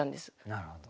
なるほど。